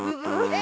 え？